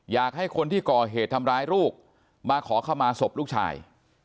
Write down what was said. อยากให้คนที่ก่อเหตุทำร้ายลูกมาขอเข้ามาศพลูกชาย